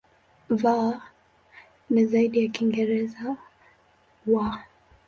V ni zaidi ya Kiingereza "w".